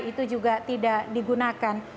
itu juga tidak digunakan